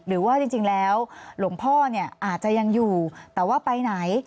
หรือว่าจริงแล้วหลวงพ่อเนี่ยอาจจะยังอยู่แต่ว่าไปไหน